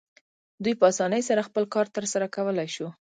دوی په اسانۍ سره خپل کار ترسره کولی شو.